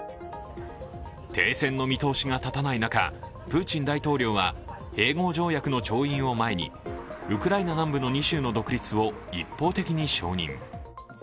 停戦の見通しが立たない中、プーチン大統領は併合条約の調印を前にウクライナ南部の２州の独立を一方的に承認。